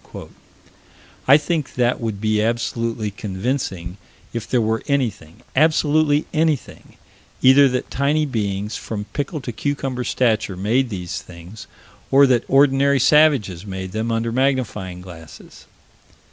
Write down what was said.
I think that would be absolutely convincing, if there were anything absolutely anything either that tiny beings, from pickle to cucumber stature, made these things, or that ordinary savages made them under magnifying glasses.